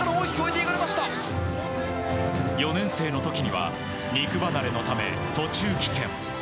４年生の時には肉離れのため、途中棄権。